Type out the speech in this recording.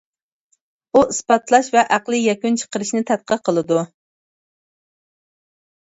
ئۇ ئىسپاتلاش ۋە ئەقلىي يەكۈن چىقىرىشنى تەتقىق قىلىدۇ.